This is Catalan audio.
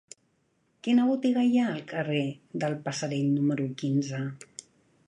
Quina botiga hi ha al carrer del Passerell número quinze?